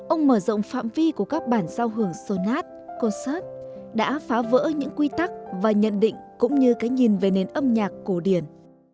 ông mở rộng phạm vi của các bản giao hưởng sonat concert đã phá vỡ những quy tắc và nhận định cũng như cái nhìn về nền âm nhạc cổ điển